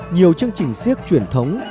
nhiều chương trình siếc truyền thống